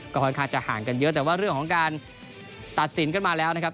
ก็ค่อนข้างจะห่างกันเยอะแต่ว่าเรื่องของการตัดสินขึ้นมาแล้วนะครับ